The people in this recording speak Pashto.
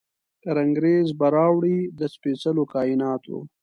رنګریز به راوړي، د سپیڅلو کائیناتو،